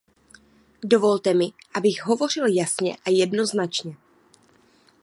Dovolte mi, abych hovořil jasně a jednoznačně.